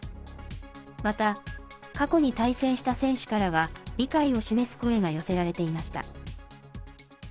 また、過去に対戦した選手からは、理解を示す声が寄せられていました。